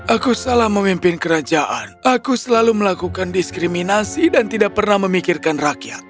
aku salah memimpin kerajaan aku selalu melakukan diskriminasi dan tidak pernah memikirkan rakyat